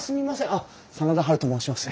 あっ真田ハルと申します。